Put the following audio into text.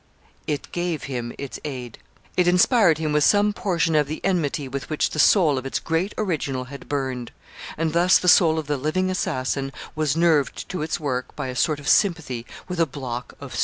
It gave him its aid. It inspired him with some portion of the enmity with which the soul of its great original had burned; and thus the soul of the living assassin was nerved to its work by a sort of sympathy with a block of stone.